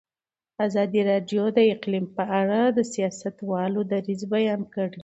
ازادي راډیو د اقلیم په اړه د سیاستوالو دریځ بیان کړی.